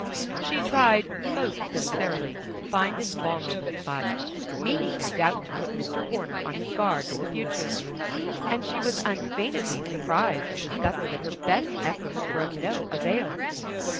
She tried most sincerely to find its vulnerable spot, meaning no doubt to put Mr. Homer on his guard for the future; and she was unfeignedly surprised to discover that her best efforts were of no avail.